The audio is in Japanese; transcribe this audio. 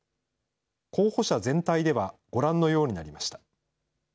候補者全体ではご覧のようになりました。